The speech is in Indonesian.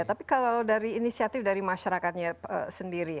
tapi kalau dari inisiatif dari masyarakatnya sendiri